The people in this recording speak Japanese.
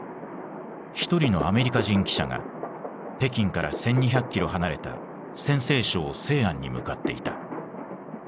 一人のアメリカ人記者が北京から１，２００キロ離れた陝西省西安に向かっていた。